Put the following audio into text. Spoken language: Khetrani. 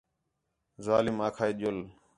ظالم آکھا ہِے ڄُل